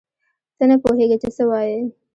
ته نه پوهېږې چې څه وایې.